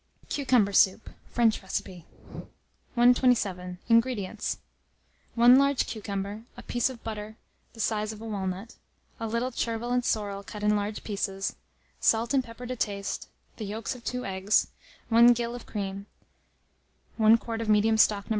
CUCUMBER SOUP (French Recipe). 127. INGREDIENTS. 1 large cucumber, a piece of butter the size of a walnut, a little chervil and sorrel cut in large pieces, salt and pepper to taste, the yolks of 2 eggs, 1 gill of cream, 1 quart of medium stock No.